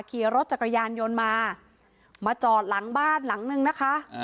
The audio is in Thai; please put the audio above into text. ขี่รถจักรยานยนต์มามาจอดหลังบ้านหลังนึงนะคะ